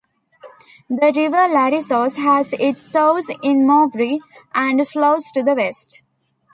The river Larissos has its source in the Movri, and flows to the west.